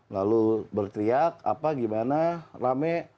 lalu berteriak apa gimana rame